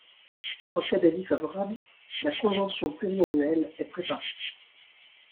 En cas d’avis favorable, la convention pluriannuelle est préparée.